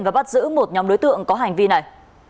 và bắt giữ một nhóm đối tượng có hành vi này